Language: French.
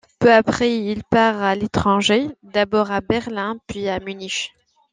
Peu après, il part à l’étranger, d’abord à Berlin, puis à Munich.